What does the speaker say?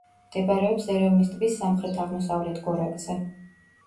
მდებარეობს ერევნის ტბის სამხრეთ-აღმოსავლეთ გორაკზე.